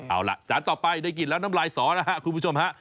เอาล่ะจานต่อไปได้กินแล้วน้ำลายสอนะครับคุณผู้ชมฮะ